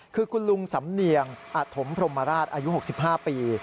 คือคุณลุงสำเนียงอธมพรมราชอายุ๖๕ปี